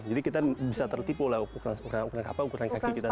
jadi kita bisa tertipu lah ukuran apa ukuran kaki kita